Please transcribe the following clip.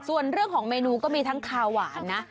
ส่วนเรื่องของเมนูก็มีทั้งคาวหวานนะ